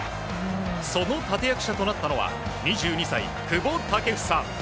その立役者となったのは２２歳、久保建英。